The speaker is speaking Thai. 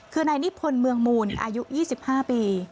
คือนายนิพนธ์เมืองมูลอายุ๒๕ปี